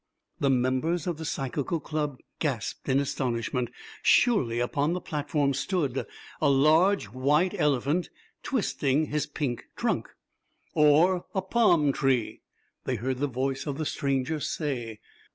The members of the Psychical Club gasped in astonishment. Surely upon the platform stood a large white elephant, twisting his pink trunk. "Or a palm tree," they heard the voice of the stranger say.